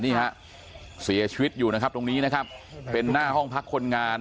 นี่ฮะเสียชีวิตอยู่นะครับตรงนี้นะครับเป็นหน้าห้องพักคนงาน